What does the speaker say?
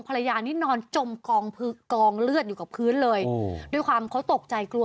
ภรรยานี่นอนจมกองเลือดอยู่กับพื้นเลยด้วยความเขาตกใจกลัว